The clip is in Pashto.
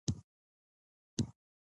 کلي د افغانستان د سیلګرۍ برخه ده.